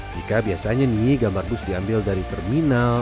jika biasanya nih gambar bus diambil dari terminal